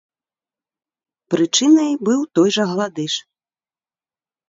Прычынай быў той жа гладыш.